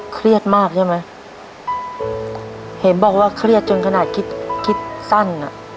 เครียดมากใช่ไหมเห็นบอกว่าเครียดจนขนาดคิดคิดสั้นอ่ะ